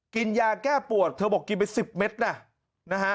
กินยาแก้ปวดเธอบอกกินไป๑๐เมตรนะนะฮะ